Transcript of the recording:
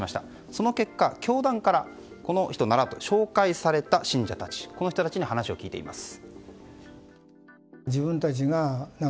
その結果、教団からこの人ならと紹介された信者たちこの人たちに話を聞いています。